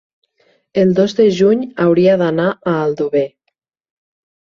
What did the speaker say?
el dos de juny hauria d'anar a Aldover.